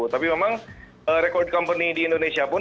tapi memang record company di indonesia pun